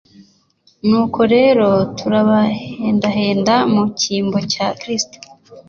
Nuko rero, turabahendahenda mu cyimbo cya Kristo,